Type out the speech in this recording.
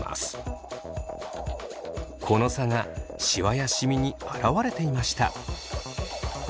この差がシワやシミに現れていました。